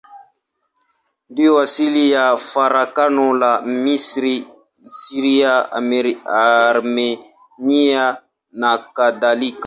Ndiyo asili ya farakano la Misri, Syria, Armenia nakadhalika.